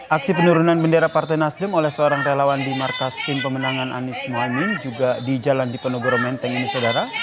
aksi penurunan bendera partai nasdem oleh seorang relawan di markas tim pemenangan anies mohaimin juga di jalan diponegoro menteng ini saudara